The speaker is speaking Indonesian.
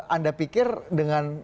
anda pikir dengan